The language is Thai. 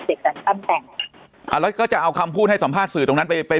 เสร็จตั้งแต่แล้วก็จะเอาคำพูดให้สัมภาษณ์สื่อตรงนั้นไปไป